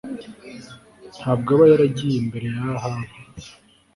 ntabwo aba yaragiye imbere ya Ahabu